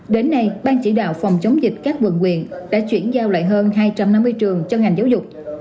đến nay ban chỉ đạo phòng chống dịch các quận quyện đã chuyển giao lại hơn hai trăm năm mươi trường cho ngành giáo dục